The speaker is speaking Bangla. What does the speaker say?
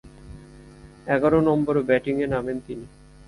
এগারো নম্বরে ব্যাটিংয়ে নামেন তিনি।